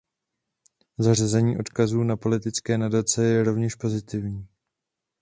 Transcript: Zařazení odkazů na politické nadace je rovněž pozitivní.